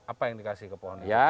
apa yang dikasih ke pohon ini